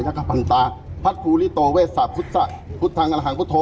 ยักษ์ปัญตาพัสธุลิโตเวสสาพุทธพุทธทางอารหังพุทธโท